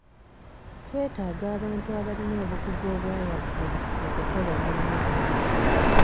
Twetaaga abantu abalina obukugu obwa waggulu okukola omulimu guno.